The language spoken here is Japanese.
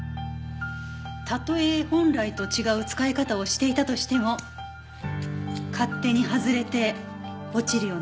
たとえ本来と違う使い方をしていたとしても勝手に外れて落ちるような事はない。